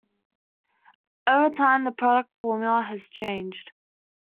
Over time the product formula has changed.